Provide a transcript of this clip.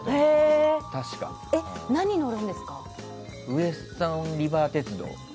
ウエスタンリバー鉄道。